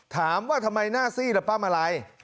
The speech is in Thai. ถามว่าทำไมหน้าซีดล่ะป้าลัย